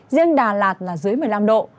riêng đà lạt là dưới một mươi năm độ